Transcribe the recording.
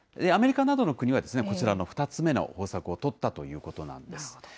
アメリカなどの国は、こちらの２つ目の方策を取ったということなんです。